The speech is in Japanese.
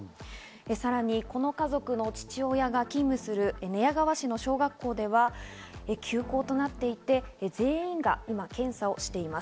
さらにこの家族の父親が勤務する寝屋川市の小学校では休校となっていて、全員が今検査をしています。